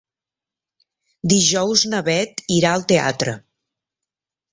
Dijous na Bet irà al teatre.